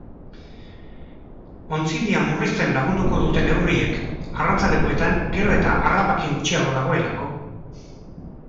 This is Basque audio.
Ontzidia murrizten lagunduko dute neurriek, arrantzalekuetan gero eta harrapakin gutxiago dagoelako.